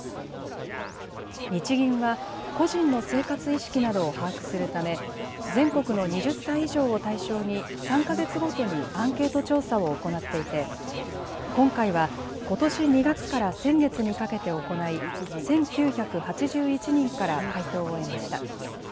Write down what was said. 日銀は個人の生活意識などを把握するため全国の２０歳以上を対象に３か月ごとにアンケート調査を行っていて今回はことし２月から先月にかけて行い１９８１人から回答を得ました。